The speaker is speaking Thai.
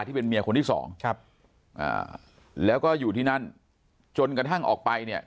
ที่เป็นเมียคนที่สองครับอ่าแล้วก็อยู่ที่นั่นจนกระทั่งออกไปเนี่ย